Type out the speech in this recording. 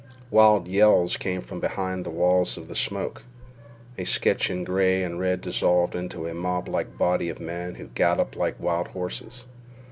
Wild yells came from behind the walls of smoke. A sketch in gray and red dissolved into a moblike body of men who galloped like wild horses.